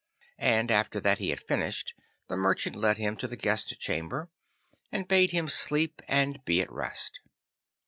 And after that he had finished, the merchant led him to the guest chamber, and bade him sleep and be at rest.